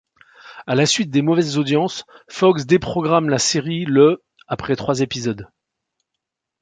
À la suite des mauvaises audiences, Fox déprogramme la série le après trois épisodes.